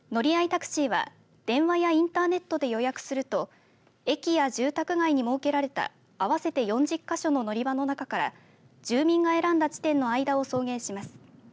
タクシーは電話やインターネットで予約すると駅や住宅街に設けられた合わせて４０か所の乗り場の中から住民が選んだ地点の間を送迎します。